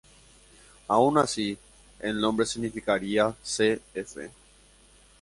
Aun así, el nombre significaría c.f.